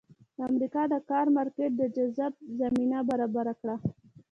د امریکا د کار مارکېټ د جذب زمینه برابره کړه.